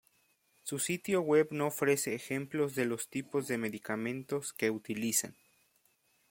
Su sitio web no ofrece ejemplos de los tipos de medicamentos que utilizan.